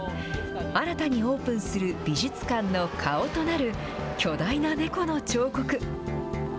新たにオープンする美術館の顔となる巨大な猫の彫刻。